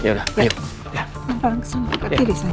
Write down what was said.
ya udah yuk